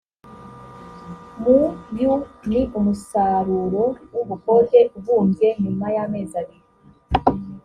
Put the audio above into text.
muyu ni umusaruro w ubukode ubumbye nyuma yamezi abiri